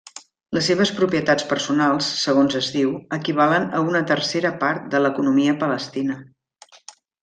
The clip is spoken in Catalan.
Les seves propietats personals, segons es diu, equivalen a una tercera part de l'economia palestina.